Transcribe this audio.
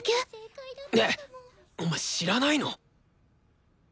えっお前知らないの？